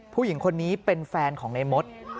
ผู้หญิงคนนี้เป็นแฟนของในมด